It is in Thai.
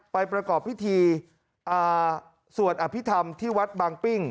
ประกอบพิธีสวดอภิษฐรรมที่วัดบางปิ้ง